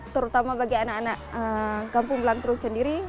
terutama bagi anak anak kampung belangkru sendiri